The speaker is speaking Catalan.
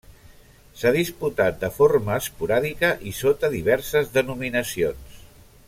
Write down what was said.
S'ha disputat de forma esporàdica i sota diverses denominacions.